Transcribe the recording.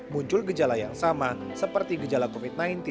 muncul gejala yang sama seperti gejala covid sembilan belas